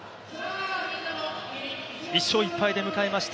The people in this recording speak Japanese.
１勝１敗で迎えました